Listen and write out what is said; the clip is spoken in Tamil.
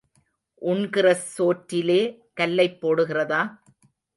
உண்கிற சோற்றிலே கல்லைப் போடுகிறதா?